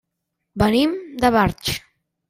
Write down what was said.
Venim de Barx.